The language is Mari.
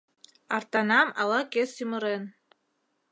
Артанам ала-кӧ сӱмырен.